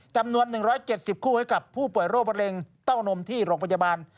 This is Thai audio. จำนวน๑๗๐คู่ให้กับผู้ป่วยโรคมะเร็งเต้านมที่โรงพยาบาล